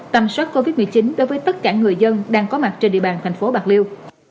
tầm soát covid một mươi chín đối với tất cả người dân đang có mặt trên địa bàn thành phố bạc liêu